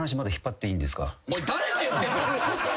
おい誰が言ってんだ！